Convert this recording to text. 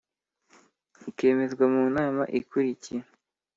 ikemezwa mu nama ikurikira